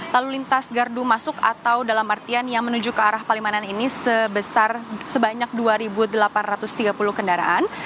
lalu lintas gardu masuk atau dalam artian yang menuju ke arah palimanan ini sebanyak dua delapan ratus tiga puluh kendaraan